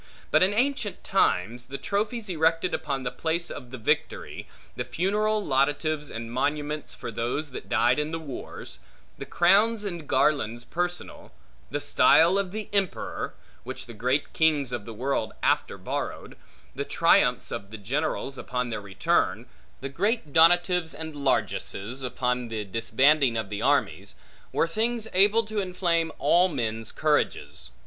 But in ancient times, the trophies erected upon the place of the victory; the funeral laudatives and monuments for those that died in the wars; the crowns and garlands personal; the style of emperor, which the great kings of the world after borrowed; the triumphs of the generals, upon their return; the great donatives and largesses, upon the disbanding of the armies; were things able to inflame all men's courages.